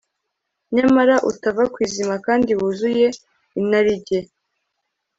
nyamara utava ku izima kandi wuzuye inarijye